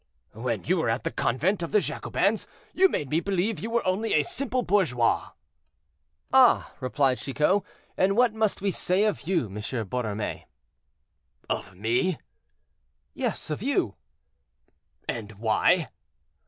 "When you were at the convent of the Jacobins, you made me believe you were only a simple bourgeois." "Ah!" replied Chicot, "and what must we say of you, M. Borromée?" "Of me?" "Yes, of you." "And why?"